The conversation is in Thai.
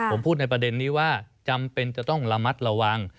ผมพูดในประเด็นนี้ว่าจำเป็นจะต้องระมัดระวัง